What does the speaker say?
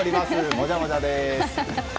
もじゃもじゃです。